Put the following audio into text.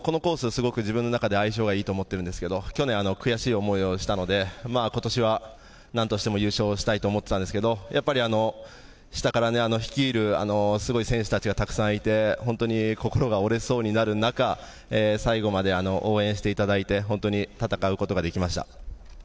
すごく自分の中で相性がいいと思ってるんですけど、去年、悔しい思いをしたので、ことしは何としても優勝したいと思ってたんですけど、やっぱり、下から率いる、すごい選手たちがたくさんいて、本当に心が折れそうになる中、最後まで応援していただいて、本当に、戦うことができました。